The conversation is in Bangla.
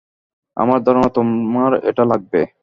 আমার ধারণা, তোমার এটা লাগবে।